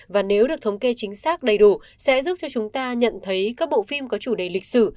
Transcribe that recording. và nếu được thống kê chính xác đầy đủ sẽ giúp cho chúng ta nhận thấy các bộ phim có chủ đề lịch sử